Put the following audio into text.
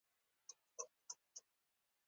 د سوډیم دوهم قشر اته الکترونونه لري.